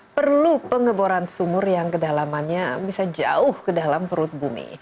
perlu pengeboran sumur yang kedalamannya bisa jauh ke dalam perut bumi